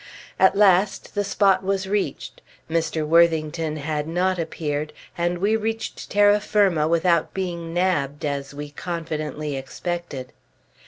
At last the spot was reached. Mr. Worthington had not appeared, and we reached terra firma without being "nabbed," as we confidently expected.